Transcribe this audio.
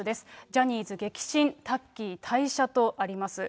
ジャニーズ激震、タッキー退社とあります。